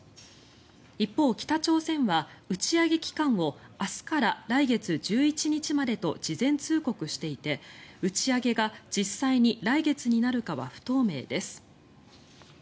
一方、北朝鮮は打ち上げ期間を明日から来月１１日までと事前通告していて打ち上げが実際に来月になるかは不透明です。